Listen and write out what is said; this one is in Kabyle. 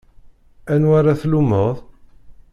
Anwa ara tlummeḍ?